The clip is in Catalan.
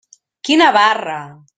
Quina barra!